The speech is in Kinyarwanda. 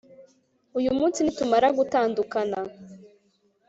uyu munsi nitumara gutandukana